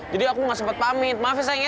jadi aku nggak sempet pamit maaf ya sayangnya